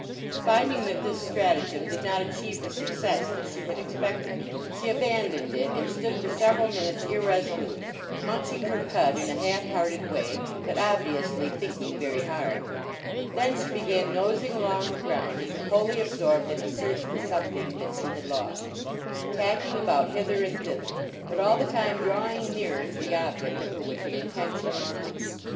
Finding that this stratagem did not achieve the success that she had expected, she abandoned it and stood for several minutes irresolute, munching her cud in a half hearted way, but obviously thinking very hard. Then she began nosing along the ground as if wholly absorbed in a search for something that she had lost, tacking about hither and thither, but all the time drawing nearer to the object of her wicked intention.